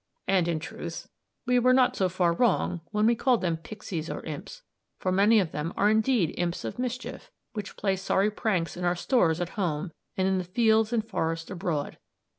And, in truth, we were not so far wrong when we called them pixies or imps, for many of them are indeed imps of mischief, which play sorry pranks in our stores at home and in the fields and forest abroad.